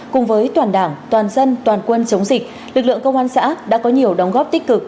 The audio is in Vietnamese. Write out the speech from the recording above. cùng với toàn đảng toàn dân toàn quân chống dịch lực lượng công an xã đã có nhiều đóng góp tích cực